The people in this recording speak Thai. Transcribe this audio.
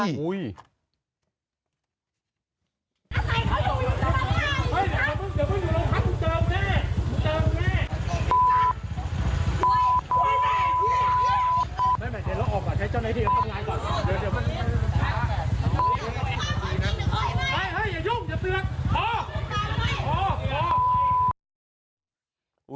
โอ้โฮ